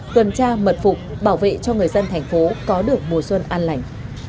tuần tra mật phục bảo vệ cho người dân thành phố có được mùa xuân an lành